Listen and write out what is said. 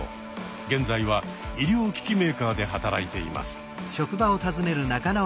現在は医療機器メーカーで働いています。